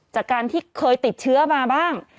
จากการที่เคยติดเชื้อมาบ้าง